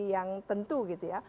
yang tentu gitu ya